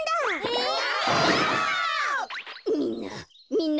みんな。